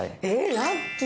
ラッキー。